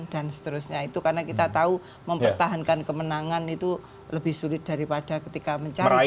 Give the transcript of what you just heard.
dan seterusnya itu karena kita tahu mempertahankan kemenangan itu lebih sulit daripada ketika mencari kemenangan